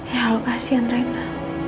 ya lu kasihan rena